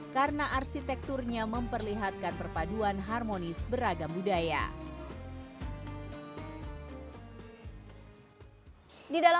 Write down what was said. karena arsitekturnya memperlihatkan perpaduan harmonis beragam budaya